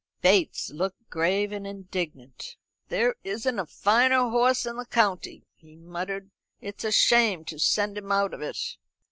Bates looked grave and indignant. "There isn't a finer horse in the county," he muttered; "it's a shame to send him out of it."